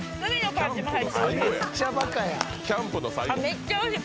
めっちゃおいしい。